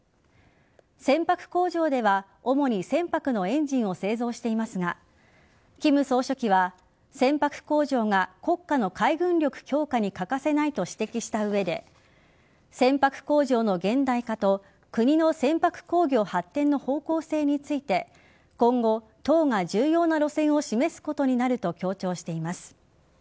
船舶工場では主に、船舶のエンジンを製造していますが金総書記は船舶工場が国家の海軍力強化に欠かせないと指摘した上で船舶工場の現代化と国の船舶工業発展の方向性について今後、党が重要な路線を示すことになると強調しています。